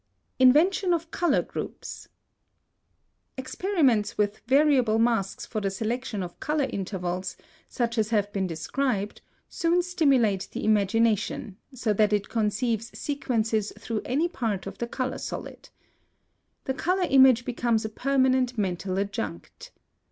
+Invention of color groups.+ (171) Experiments with variable masks for the selection of color intervals, such as have been described, soon stimulate the imagination, so that it conceives sequences through any part of the color solid. The color image becomes a permanent mental adjunct.